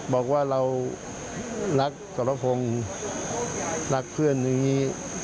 บอกว่าเรารักสรพงศ์รักเพื่อนนี้